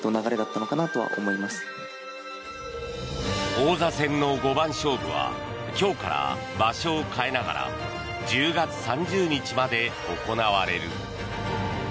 王座戦の五番勝負は今日から場所を変えながら１０月３０日まで行われる。